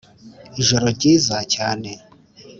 ijoro ryiza cyane